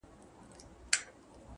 اخلاق د شخصیت تلپاتې ارزښت دی’